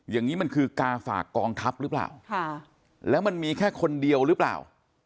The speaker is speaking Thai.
อย่างนี้มันคือกาฝากกองทัพหรือเปล่าแล้วมันมีแค่คนเดียวหรือเปล่า